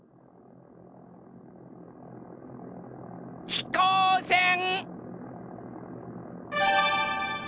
ひこうせん。